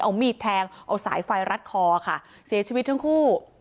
เอามีดแทงเอาสายไฟรัดคอค่ะเสียชีวิตทั้งคู่